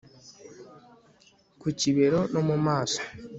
ku kibero no mu maso